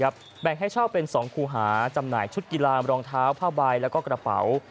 แบ่งให้เช่าเป็น๒คู่หาจำหน่ายชุดกีฬารองเท้าผ้าใบแล้วก็กระเป๋า